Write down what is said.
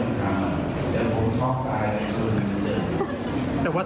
แต่ว่าท่านพร้อมตลอดใช่ไหม